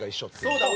『そうだ！